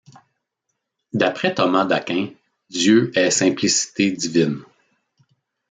D'après Thomas d'Aquin, Dieu est Simplicité divine.